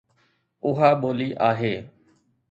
اها ٻولي آهي